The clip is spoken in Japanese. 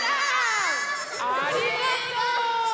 ありがとう！